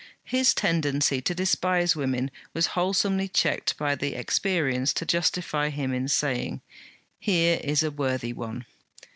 His tendency to despise women was wholesomely checked by the experience to justify him in saying, Here is a worthy one!